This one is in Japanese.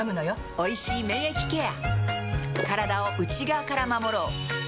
「おいしい免疫ケア」！